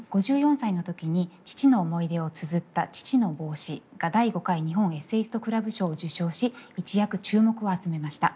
５４歳の時に父の思い出をつづった「父の帽子」が第５回日本エッセイスト・クラブ賞を受賞し一躍注目を集めました。